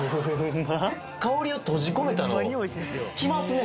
ま香りを閉じ込めたのきますね